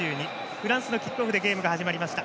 フランスのキックオフでゲームが始まりました。